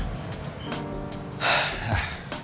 itu dia boy